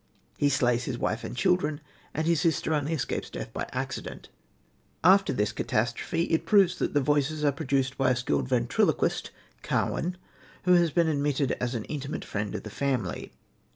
He slays his wife and children, and his sister only escapes death by accident. After this catastrophe it proves that the voices are produced by a skilled ventriloquist, Carwin, who has been admitted as an intimate friend of the family.